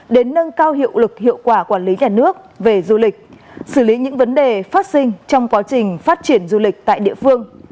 đến nâng cao hiệu lực hiệu quả quản lý nhà nước về du lịch xử lý những vấn đề phát sinh trong quá trình phát triển du lịch tại địa phương